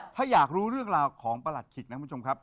ถ้าอยากรู้เรื่องราวของประหลัดขิกนะคุณผู้ชมครับ